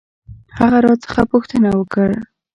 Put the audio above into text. هغه راڅخه پوښتنه وکړ.